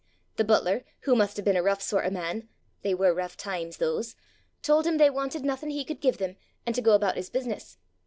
The butler, who must have been a rough sort of man they were rough times those told him they wanted nothing he could give them, and to go about his business.